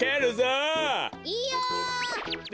いいよ！